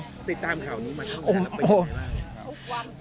ติดตามข่าวนึงมาข้างนอกไปไหนบ้าง